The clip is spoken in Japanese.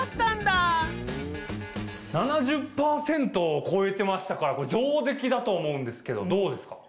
７０％を超えてましたからこれ上出来だと思うんですけどどうですか？